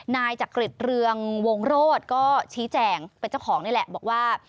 นายจักริจเรืองวงโรธก็ชี้แจงเป็นเจ้าของนี่แหละบอกว่า